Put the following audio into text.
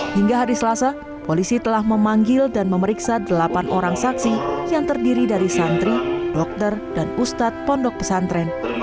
hingga hari selasa polisi telah memanggil dan memeriksa delapan orang saksi yang terdiri dari santri dokter dan ustadz pondok pesantren